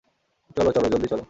চলো চলো, জলদি চলো।